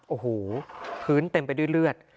โอ้โหพื้นเต็มไปด้วยเลือด